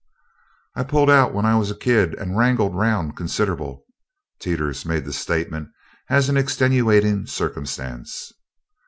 "I pulled out when I was a kid and wrangled 'round considerible." Teeters made the statement as an extenuating circumstance.